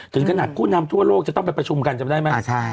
ถึงขนาดผู้นำทั่วโลกจะต้องไปประชุมกันจำได้ไหม